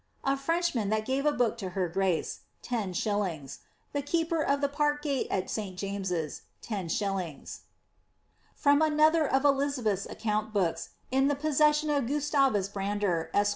a Frenchman that gave a book io her grace, 10«. ; the keeper of the park gate at St. James's, tOt." From another of Elizabeth's account books, in possession of Gus tavus Brander, esq.